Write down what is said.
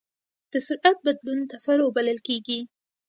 د سرعت بدلون تسارع بلل کېږي.